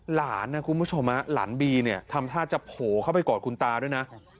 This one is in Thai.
หลานนะคุณผู้ชมหลานบีเนี่ยทำท่าจะโผล่เข้าไปกอดคุณตาด้วยนะ